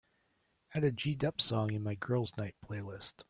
add a G Dep song in my girls' night playlist